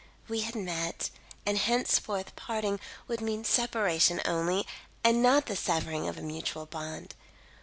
We had met, and henceforth, parting would mean separation only, and not the severing of a mutual bond.